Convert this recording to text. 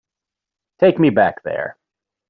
Take me back there.